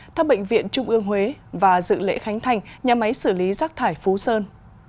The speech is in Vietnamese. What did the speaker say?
thăm bệnh viện trung ương huế và dự lễ khánh thành nhà máy xử lý rác thải phú sơn